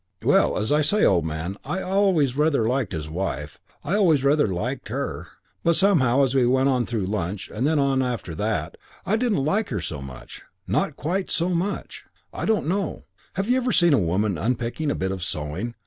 "Well, as I say, old man, I always rather liked his wife. I always rather liked her. But somehow, as we went on through lunch, and then on after that, I didn't like her quite so much. Not quite so much. I don't know. Have you ever seen a woman unpicking a bit of sewing?